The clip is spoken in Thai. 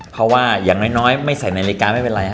เพราะว่าอย่างน้อยไม่ใส่นาฬิกาไม่เป็นไรฮ